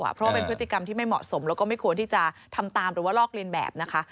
เพราะว่าเป็นพฤติกรรมที่ไม่เหมาะสมแล้วก็ไม่ควรที่จะทำตามหรือว่าลอกเลียนแบบนะคะ